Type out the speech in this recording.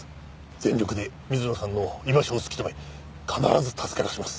全力で水野さんの居場所を突き止め必ず助け出します。